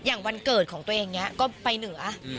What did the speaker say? อย่างวันเกิดของตัวเองก็ไปเหนือ